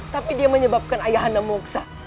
tapi dia menyebabkan ayahanda moksa